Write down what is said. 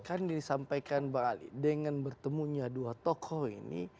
kan disampaikan bang ali dengan bertemunya dua tokoh ini